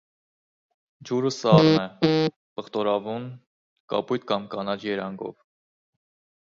Ջուրը սառն է, պղտորավուն, կապույտ կամ կանաչ երանգով։